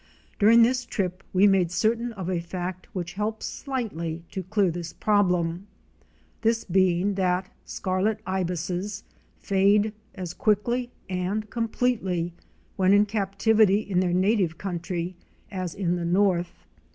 During this trip we made certain of a fact which helps slightly to clear this problem — this being that Scarlet Ibises fade as quickly and completely when in captivity in their native country as in the north.